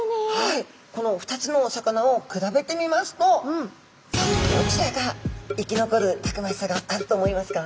この２つのお魚を比べてみますとさあどちらが生き残るたくましさがあると思いますか？